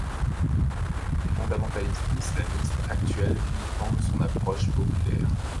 Les fondamentalistes islamistes actuels vilipendent son approche populaire.